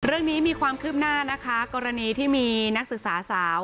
เรื่องนี้มีความคืบหน้านะคะกรณีที่มีนักศึกษาสาว